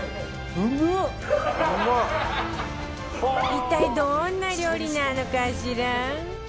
一体どんな料理なのかしら？